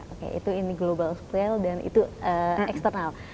oke itu global scale dan itu eksternal